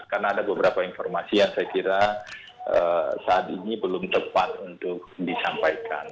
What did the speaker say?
karena ada beberapa informasi yang saya kira saat ini belum tepat untuk disampaikan